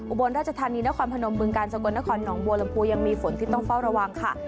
บนราชธานีนครพนมบึงกาลสกลนครหนองบัวลำพูยังมีฝนที่ต้องเฝ้าระวังค่ะ